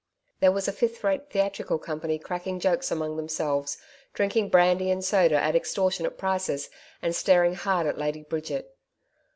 There was a fifth rate theatrical company cracking jokes among themselves, drinking brandy and soda at extortionate prices, and staring hard at Lady Bridget.